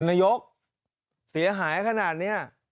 นายกเสียหายขนาดนี้